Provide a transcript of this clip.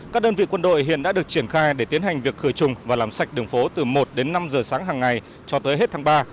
các đơn vị quân đội hiện đã được triển khai để tiến hành việc khởi trùng và làm sạch đường phố từ một đến năm giờ sáng hàng ngày cho tới hết tháng ba